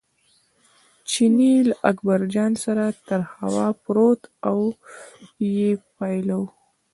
چیني له اکبرجان سره تر خوا پروت او یې پاللو.